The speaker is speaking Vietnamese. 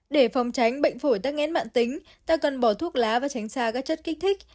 để phòng tránh bệnh phổi tắc nghẽn mạng tính ta cần bỏ thuốc lá và tránh xa các chất kích thích